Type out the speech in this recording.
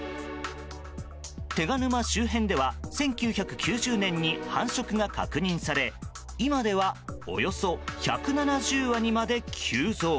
手賀沼周辺では１９９０年に繁殖が確認され、今ではおよそ１７０羽にまで急増。